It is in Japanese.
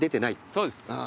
そうです。